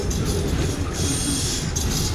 所有车站都位于北海道札幌市内。